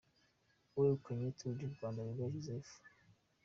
Uwegukanye Tour du Rwanda: Areruya Joseph.